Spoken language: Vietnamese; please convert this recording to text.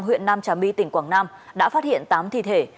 huyện nam trà my tỉnh quảng nam đã phát hiện tám thi thể